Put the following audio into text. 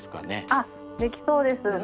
あっできそうです。